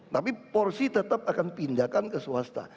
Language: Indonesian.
tapi porsi tetap akan pindahkan ke swasta